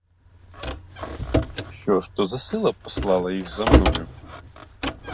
Що ж то за сила послала їх за мною?